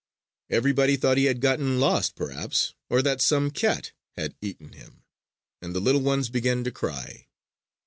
Everybody thought he had gotten lost, perhaps, or that some cat had eaten him; and the little ones began to cry.